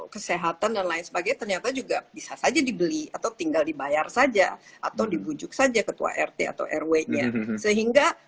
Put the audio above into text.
kesehatan dan lain sebagainya ternyata juga bisa saja dibeli atau tinggal dibayar saja atau dibujuk saja ketua rt atau rw nya sehingga